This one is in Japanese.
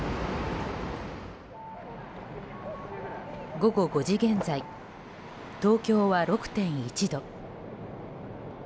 午後５時現在東京は６．１度。